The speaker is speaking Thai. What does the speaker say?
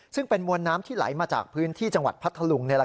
ซึ่งเป็นมวลน้ำที่ไหลมาจากพื้นที่จังหวัดพัทธลุง